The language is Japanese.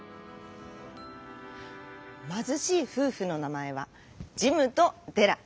まずしいふうふのなまえはジムとデラ。